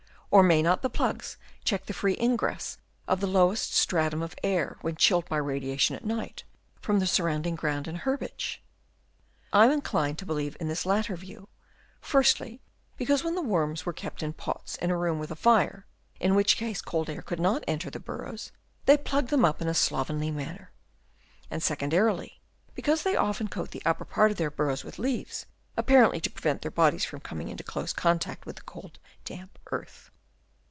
Or may not the plugs check the free ingress of the lowest stratum of air, when chilled by radiation at night, from the sur rounding ground and herbage ? I am inclined to believe in this latter view : firstly, because when worms were kept in pots in a room with a fire, in which case cold air could not enter the burrows, they plugged them up in a slovenly manner ; and secondarily, because they often coat the upper part of their burrows with leaves, apparently to prevent their bodies from coming into close contact with the cold damp earth.